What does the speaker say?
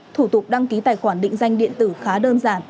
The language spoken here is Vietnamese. thủ tục đăng ký tài khoản định danh điện tử khá đơn giản